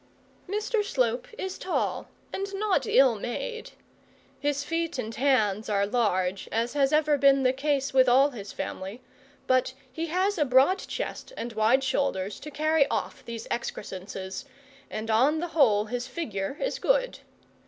Mr Slope is tall, and not ill made. His feet and hands are large, as has ever been the case, with all his family, but he has a broad chest and wide shoulders to carry off these excrescences, and on the whole his figure is good.